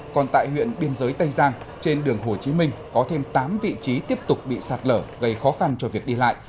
còn tại huyện biên giới tây giang trên đường hồ chí minh có thêm tám vị trí tiếp tục bị sạt lở gây khó khăn cho việc đi lại